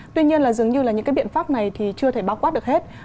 tuy nhiên là dường như là những cái biện pháp này thì chưa thể bao quát được hết